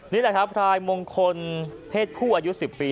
นี่แหละครับพลายมงคลเพศผู้อายุ๑๐ปี